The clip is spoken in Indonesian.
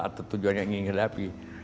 atau tujuan yang ingin kita hadapi